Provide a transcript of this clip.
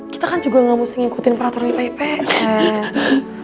kita kan juga gak mesti ngikutin peraturan pps